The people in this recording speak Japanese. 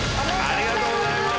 ありがとうございます！